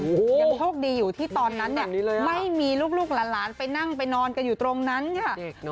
ยังโชคดีอยู่ที่ตอนนั้นเนี่ยไม่มีลูกหลานไปนั่งไปนอนกันอยู่ตรงนั้นค่ะ